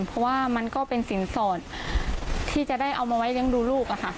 เพราะว่ามันก็เป็นสินสอดที่จะได้เอามาไว้เลี้ยงดูลูก